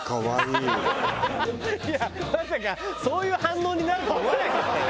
いやまさかそういう反応になるとは思わなかったよ。